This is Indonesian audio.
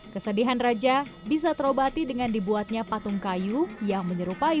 kesedihan raja bisa terobati dengan dibuatnya patung kayu yang menyerupai